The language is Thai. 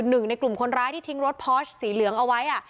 หนึ่งในกลุ่มคนร้ายที่ทิ้งรถพอร์ชสีเหลืองเอาไว้